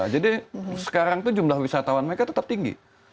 jadi sekarang itu jumlah wisatawan mereka tetap tinggi